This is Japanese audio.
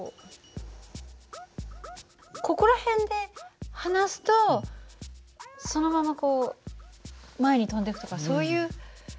ここら辺で放すとそのままこう前に飛んでいくとかそういう事はどうだろう？